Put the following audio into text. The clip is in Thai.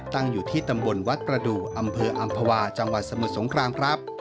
ตั้งอยู่ที่ตำบลวัดประดูกอำเภออำภาวาจังหวัดสมุทรสงครามครับ